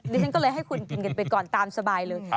ฉันก็เลยให้คุณกินกันไปก่อนตามสบายเลย